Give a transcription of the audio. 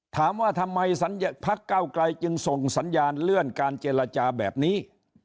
ถามว่าทำไมพักเก้าไกลจึงส่งสัญญาณเลื่อนการเจรจาแบบนี้